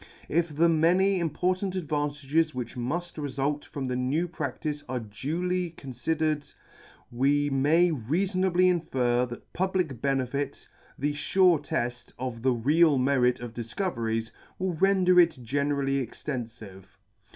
If the many important advantages w r hich muft refult from the new pradtice are duly confidered, we may reafonably infer that public benefit, the fure teft of the real merit of difcoveries, will render it gene rally extenfive.